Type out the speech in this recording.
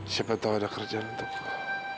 siapa tahu ada kerjaan untukku